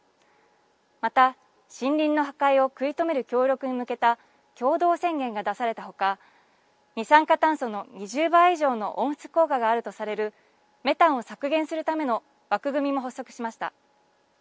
また、森林の破壊を食い止める協力に向けた共同宣言が出されたほか二酸化炭素の２０倍以上の温室効果があるとされるメタンを削減するための枠組みも発足しました。